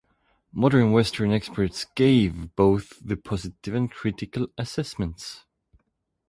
Modern Western experts gave both the positive and critical assessments.